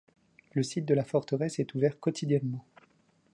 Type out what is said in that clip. Le site de la forteresse est ouvert quotidiennement.